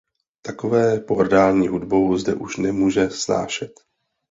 Takové pohrdání hudbou zde už nemůže snášet.